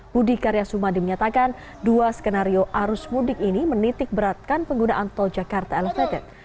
budi karya sumadi menyatakan dua skenario arus mudik ini menitik beratkan penggunaan tol jakarta elevated